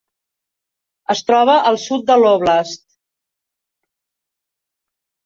Es troba al sud de l'óblast.